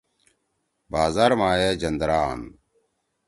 بازار ما اے جندرا آن۔